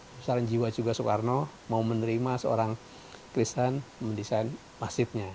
besaran jiwa juga soekarno mau menerima seorang kristen mendesain masifnya